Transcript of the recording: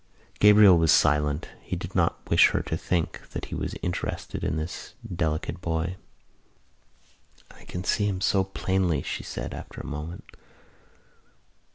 Gabriel was silent. He did not wish her to think that he was interested in this delicate boy. "I can see him so plainly," she said after a moment.